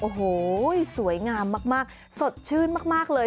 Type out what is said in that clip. โอ้โหสวยงามมากสดชื่นมากเลย